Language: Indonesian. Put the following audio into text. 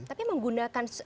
tapi menggunakan kata yang sama